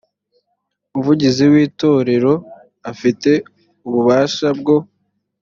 umuvugizi w itorero afite ububasha bwo